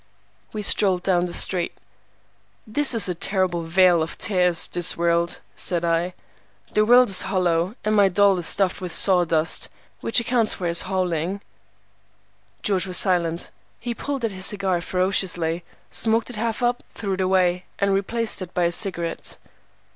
We strolled down the street. "This is a terrible vale of tears, this world," said I. "The world is hollow, and my doll is stuffed with sawdust, which accounts for his howling." George was silent. He pulled at his cigar ferociously, smoked it half up, threw it away, and replaced it by a cigarette.